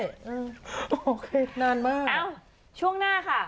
โอเคนานมากช่วงหน้าค่ะ